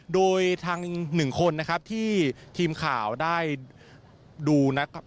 โดยทางอีกหนึ่งคนนะครับที่ทีมข่าวได้ดูนะครับ